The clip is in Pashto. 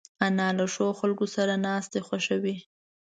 انا له ښو خلکو سره ناستې خوښوي